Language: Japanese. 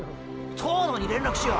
東堂に連絡しよう！